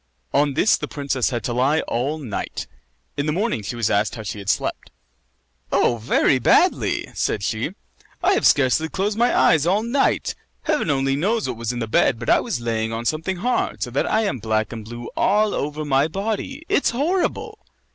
On this the princess had to lie all night. In the morning she was asked how she had slept. "Oh, very badly!" said she. "I have scarcely closed my eyes all night. Heaven only knows what was in the bed, but I was lying on something hard, so that I am black and blue all over my body. It's horrible!"